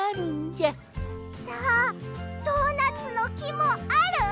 じゃあドーナツのきもある？